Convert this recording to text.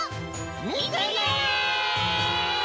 みてね！